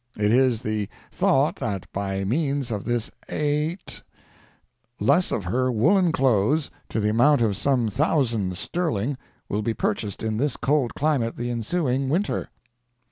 It is the tho't that by means of this A—t, less of her woollen cloths, to the amount of some thousands sterling, will be purchas'd in this cold climate the insuing winter."